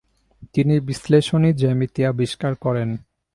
তিনি বিশ্লেষণী জ্যামিতি আবিষ্কার করেন।